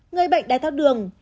người bệnh đai thác đường